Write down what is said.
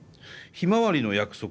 「ひまわりの約束」。